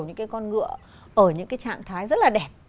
những cái con ngựa ở những cái trạng thái rất là đẹp